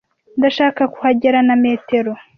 Ndashaka kuhagera na metero.